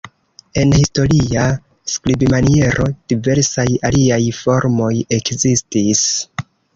En historia skribmaniero, diversaj aliaj formoj ekzistis.